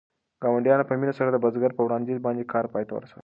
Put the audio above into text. ګاونډیانو په مینه سره د بزګر په وړاندیز باندې کار پای ته ورساوه.